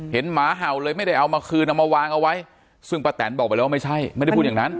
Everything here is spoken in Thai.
หมาเห่าเลยไม่ได้เอามาคืนเอามาวางเอาไว้ซึ่งป้าแตนบอกไปแล้วว่าไม่ใช่ไม่ได้พูดอย่างนั้น